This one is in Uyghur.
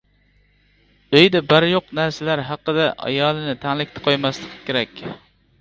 ئۆيدە بار-يوق نەرسىلەر ھەققىدە ئايالىنى تەڭلىكتە قويماسلىقى كېرەك.